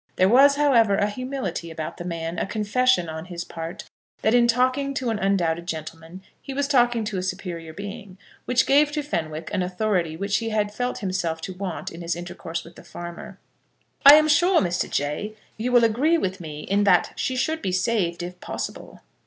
There was, however, a humility about the man, a confession on his part, that in talking to an undoubted gentleman he was talking to a superior being, which gave to Fenwick an authority which he had felt himself to want in his intercourse with the farmer. "I am sure, Mr. Jay, you will agree with me in that she should be saved if possible."